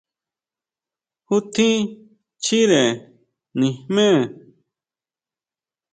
¿Jú tjín chire nijmé?